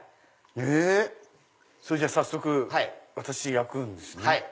それじゃあ早速私焼くんですね。